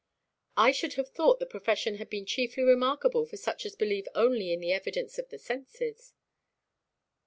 "I should have thought the profession had been chiefly remarkable for such as believe only in the evidence of the senses."